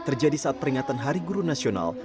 terjadi saat peringatan hari guru nasional